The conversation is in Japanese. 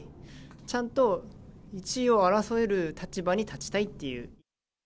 ちゃんと１位を争える立場に立ちたいっていう。